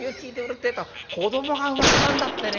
ってえと子どもが生まれたんだってね。